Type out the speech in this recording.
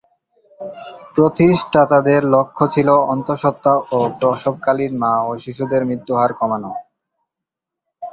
প্রতিষ্ঠাতাদের লক্ষ্য ছিল অন্তঃসত্ত্বা ও প্রসবকালীন মা এবং শিশুদের মৃত্যুহার কমানো।